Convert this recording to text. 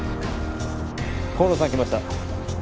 河野さん来ました。